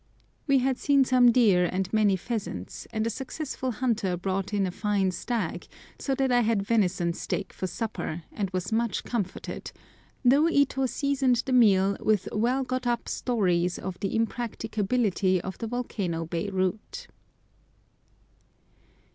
We had seen some deer and many pheasants, and a successful hunter brought in a fine stag, so that I had venison steak for supper, and was much comforted, though Ito seasoned the meal with well got up stories of the impracticability of the Volcano Bay route.